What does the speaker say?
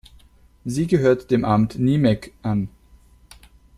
Sie gehört dem Amt Niemegk an.